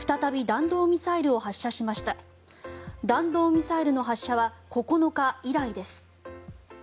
弾道ミサイルの発射は９日以来です。